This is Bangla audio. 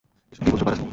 এসব কী বলছো, পারাসু?